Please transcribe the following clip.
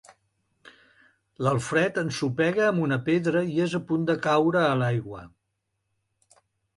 L'Alfred ensopega amb una pedra i és a punt de caure a l'aigua.